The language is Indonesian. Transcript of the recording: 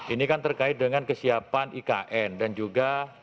ini kan terkait dengan kesiapan ikn dan juga